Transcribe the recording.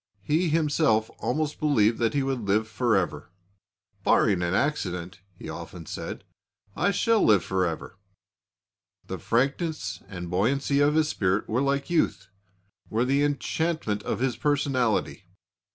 He himself almost believed that he would live for ever. "Barring an accident," he often said, "I shall live for ever." The frankness and buoyancy of his spirit were like youth: were the enchantment of his personality.